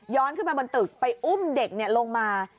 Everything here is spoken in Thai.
ขึ้นไปบนตึกไปอุ้มเด็กลงมา